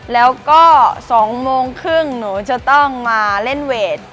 แล้วก็๒โมงครึ่งหนูจะต้องมาเล่นเวท